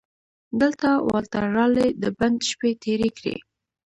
دلته والټر رالي د بند شپې تېرې کړې.